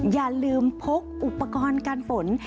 อย่าลืมพกอุปกรณ์การฝน